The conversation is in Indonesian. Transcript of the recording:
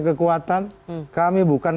kekuatan kami bukan